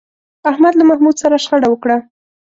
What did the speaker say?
احمد له محمود سره شخړه وکړه.